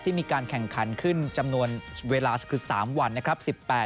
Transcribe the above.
มีการแข่งขันขึ้นจำนวนเวลาคือ๓วันนะครับ